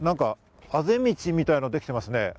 あぜ道みたいなのができてますね。